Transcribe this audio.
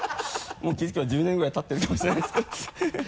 もう気づけば１０年ぐらいたってるかもしれないですけど。